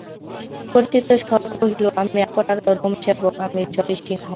পরিচিত স্বর কহিল, আমি আপনার অধম সেবক, আমি জয়সিংহ।